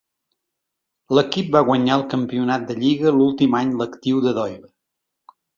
L'equip va guanyar el campionat de lliga l'últim any lectiu de Doyle.